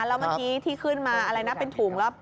แล้วเมื่อกี้ที่ขึ้นมาอะไรนะเป็นถุงแล้ว